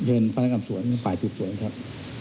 เอิญพลังศาสตร์สังค์๘สุธรรม